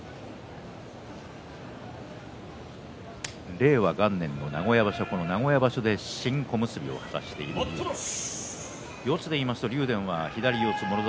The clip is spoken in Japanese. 令和元年の名古屋場所名古屋場所で新小結を果たしている竜電です。